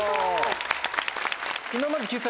今まで。